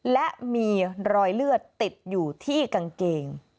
และมีรอยเลือดติดอยู่ที่กางเกง